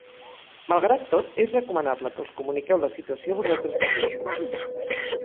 Malgrat tot, és recomanable que els comuniqueu la situació vosaltres mateixos.